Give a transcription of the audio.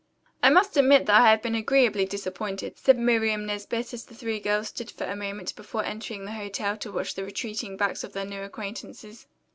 "I must admit that I have been agreeably disappointed," said Miriam Nesbit as the three girls stood for a moment before entering the hotel to watch the retreating backs of their new acquaintances.